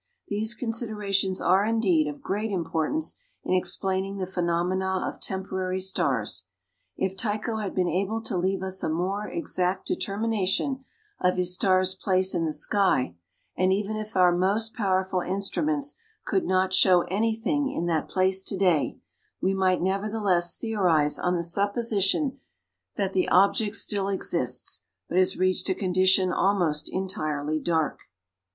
These considerations are, indeed, of great importance in explaining the phenomena of temporary stars. If Tycho had been able to leave us a more exact determination of his star's place in the sky, and even if our most powerful instruments could not show anything in that place to day, we might nevertheless theorize on the supposition that the object still exists, but has reached a condition almost entirely dark.